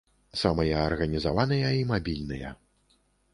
Самыя арганізаваныя і мабільныя.